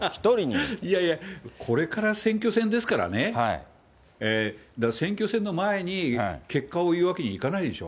いやいや、これから選挙戦ですからね、選挙戦の前に結果を言うわけにはいかないでしょ。